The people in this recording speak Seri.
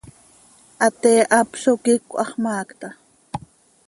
Hatee hap zo quicö, hax maacta.